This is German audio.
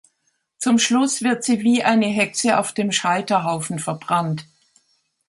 Zum Schluss wird sie wie eine Hexe auf dem Scheiterhaufen verbrannt.